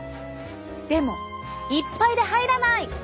でもいっぱいで入らない！